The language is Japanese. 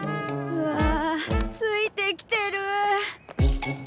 うわあついてきてる。